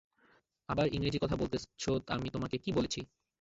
আবার ইংরেজি কথা বলতেছো আমি তোমাকে কি বলেছি।